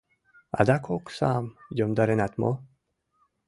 Адак оксам йомдаренат мо?